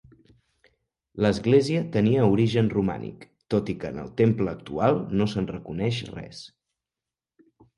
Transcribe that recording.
L'església tenia origen romànic, tot i que en el temple actual no se'n reconeix res.